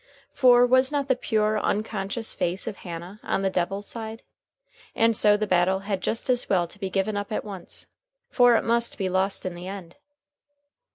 For, was not the pure, unconscious face of Hannah on the Devil's side? And so the battle had just as well be given up at once, for it must be lost in the end.